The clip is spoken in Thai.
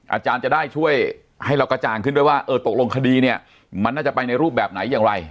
อาจารย์จะได้ช่วยให้เรากระจ่างขึ้นด้วยว่าเออตกลงคดีเนี่ยมันน่าจะไปในรูปแบบไหนอย่างไร